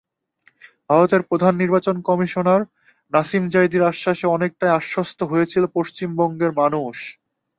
ভারতের প্রধান নির্বাচন কমিশনার নাসিম জাইদির আশ্বাসে অনেকটাই আশ্বস্ত হয়েছিল পশ্চিমবঙ্গের মানুষ।